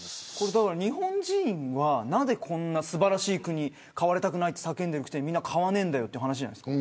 日本人はなぜこんな素晴らしい国を買われたくないと叫ぶのにみんな買わないんだよって話じゃないですか。